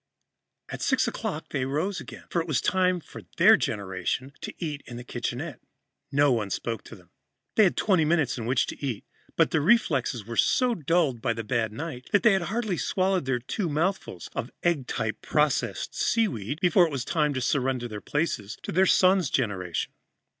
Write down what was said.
At six o'clock, they arose again, for it was time for their generation to eat breakfast in the kitchenette. No one spoke to them. They had twenty minutes in which to eat, but their reflexes were so dulled by the bad night that they had hardly swallowed two mouthfuls of egg type processed seaweed before it was time to surrender their places to their son's generation.